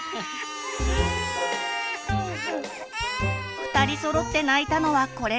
２人そろって泣いたのはこれが初めて。